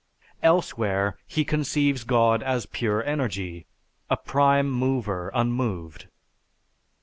Elsewhere, he conceives God as pure energy; a prime mover unmoved.